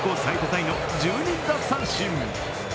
タイの１２奪三振。